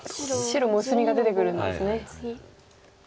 白も薄みが出てくるんですね。